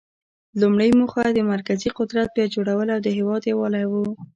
لومړۍ موخه د مرکزي قدرت بیا جوړول او د هیواد یووالی و.